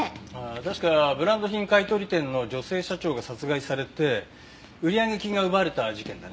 確かブランド品買取店の女性社長が殺害されて売上金が奪われた事件だね。